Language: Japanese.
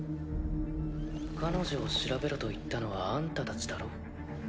彼女を調べろと言ったのはあんたたちだろ。